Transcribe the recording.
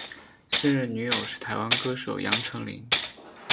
现任女友是台湾歌手杨丞琳。